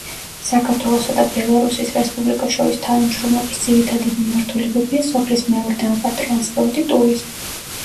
საქართველოსა და ბელარუსის რესპუბლიკას შორის თანამშრომლობის ძირითადი მიმართულებებია სოფლის მეურნეობა, ტრანსპორტი, ტურიზმი.